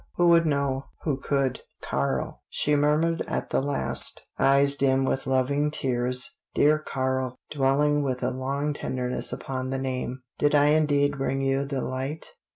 Who would know? Who could? "Karl," she murmured at the last eyes dim with loving tears "dear Karl," dwelling with a long tenderness upon the name "did I indeed bring you the light?"